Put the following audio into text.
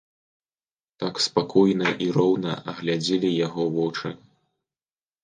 Так спакойна і роўна глядзелі яго вочы.